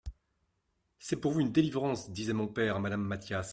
C'est pour vous une delivrance, disait mon pere a Madame Mathias.